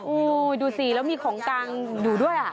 โอ้โหดูสิแล้วมีของกลางอยู่ด้วยอ่ะ